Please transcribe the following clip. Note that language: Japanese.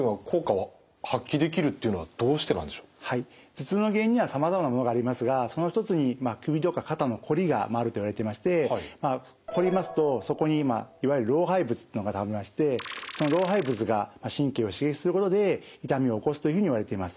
頭痛の原因にはさまざまなものがありますがその一つに首とか肩のこりがあるといわれていましてこりますとそこにいわゆる老廃物っていうのがたまりましてその老廃物が神経を刺激することで痛みを起こすというふうにいわれています。